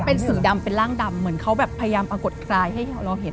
เป็นสีดำเป็นร่างดำเหมือนเขาแบบพยายามปรากฏกายให้เราเห็น